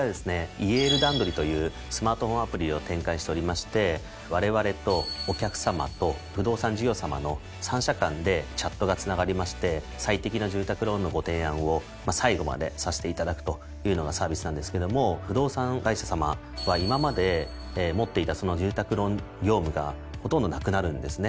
「いえーるダンドリ」というスマートフォンアプリを展開しておりましてわれわれとお客さまと不動産事業さまの３者間でチャットがつながりまして最適な住宅ローンのご提案を最後までさせていただくというのがサービスなんですけども不動産会社さまは今まで持っていた住宅ローン業務がほとんどなくなるんですね。